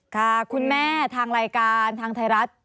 ค่ะคุณแม่ทางรายการทางไทยรัฐ